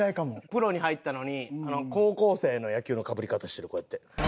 プロに入ったのに高校生の野球のかぶり方してるこうやって。